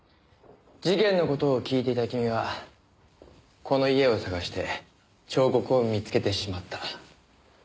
事件の事を聞いていた君はこの家を探して彫刻を見つけてしまった。